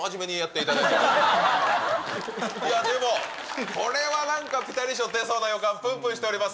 いやでも、これはなんかピタリ賞出そうな予感ぷんぷんしております。